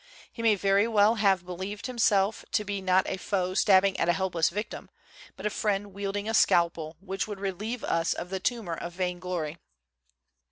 He may very well have believed himself to be not a foe stabbing at a helpless victim, but a friend wielding a scalpel which would relieve us of the tumor of vainglory.